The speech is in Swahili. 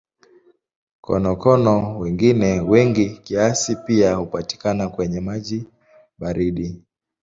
Konokono wengine wengi kiasi pia hupatikana kwenye maji baridi.